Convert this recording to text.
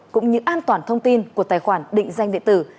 cũng như an toàn thông tin của tài khoản định danh điện tử